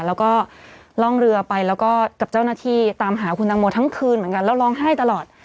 แล้วก็ล่องเรือกับเจ้าหน้าที่ตามหาคุณตังโมทั้งคืนแล้วร้องไห้ตลอด